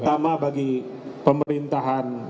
pertama bagi pemerintahan prabowo gibran